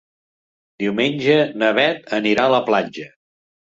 Diumenge na Bet anirà a la platja.